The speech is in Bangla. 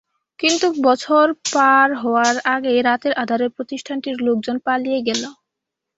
কিন্তু বছর পার হওয়ার আগেই রাতের আঁধারে প্রতিষ্ঠানটির লোকজন পালিয়ে গেল।